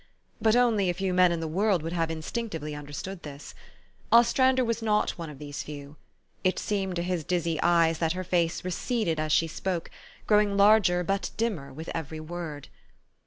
But only a few men in the world would have instinctively understood this. Ostrander was not one of these few. It seemed to his dizzy eyes that her face receded as she spoke, growing larger but dimmer with every word.